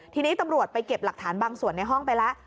ทีนี้ตำรวจไปเก็บหลักฐานบางส่วนในห้องไปแล้ว